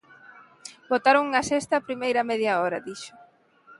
"Botaron unha sesta a primeira media hora", dixo.